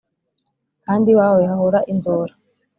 kandi iwawe hahora inzora.